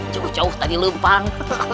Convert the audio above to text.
jauh jauh tadi lumpang